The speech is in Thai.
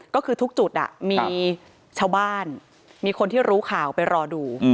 ก็คือทุกจุดมีชาวบ้านมีคนที่รู้ข่าวไปรอดู